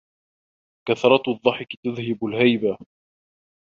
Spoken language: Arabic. كثرة الضحك تذهب الهيبة